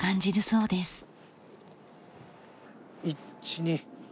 １２。